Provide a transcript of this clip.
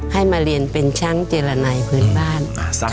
ให้มาเรียนเป็นช่างเจรผืนบ้านศักดิ์ชีพ